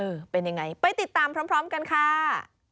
เออเป็นอย่างไรไปติดตามพร้อมกันค่ะ